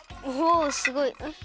おすごい。